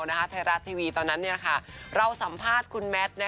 ไทยรัฐทีวีตอนนั้นเราสัมภาษณ์คุณแมท